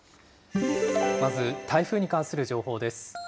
まず台風に関する情報です。